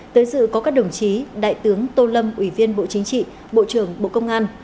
tới dự có các đồng chí đại tướng tô lâm ủy viên bộ chính trị bộ trưởng bộ công an